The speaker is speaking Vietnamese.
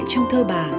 trong thơ bà